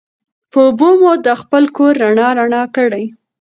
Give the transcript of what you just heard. په اوبو مو دا خپل کور رڼا رڼا کړي